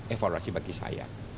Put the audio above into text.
evaluasi bagi saya